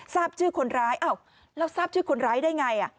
ทราบชื่อคนร้ายอ้าวแล้วทราบชื่อคนร้ายได้ไง